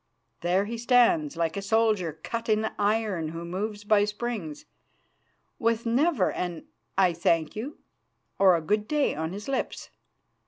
There he stands, like a soldier cut in iron who moves by springs, with never an 'I thank you' or a 'Good day' on his lips.